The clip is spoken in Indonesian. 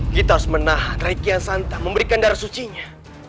kita harus menahan rai kian santa memberikan darah sucinya